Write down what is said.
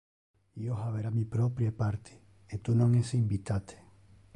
Io habera mi proprie party, e tu non es invitate!